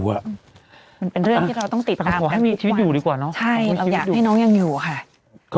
มันเป็นเรื่องที่เราต้องติดตามกันทุกวันใช่เราอยากให้น้องยังอยู่ค่ะมันเป็นเรื่องที่เราต้องติดตามกันทุกวัน